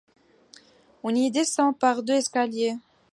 On y descend par deux escaliers.